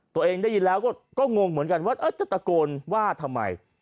ตัวเองได้ยินแล้วก็งงเหมือนกันว่าจะตะโกนว่าทำไม